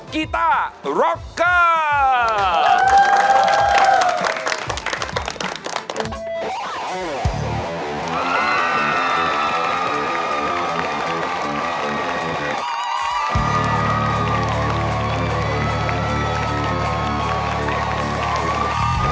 กีต้าร็อกเกอร์